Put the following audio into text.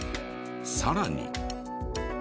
さらに。